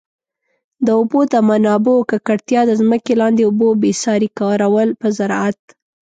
د اوبو د منابعو ککړتیا، د ځمکي لاندي اوبو بي ساري کارول په زراعت.